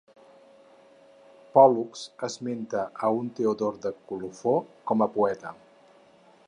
Pòl·lux esmenta a un Teodor de Colofó com a poeta.